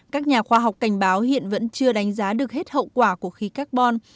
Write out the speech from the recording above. các nhà khoa học cảnh báo hiện vẫn chưa đánh giá được hết hậu quả của khí carbon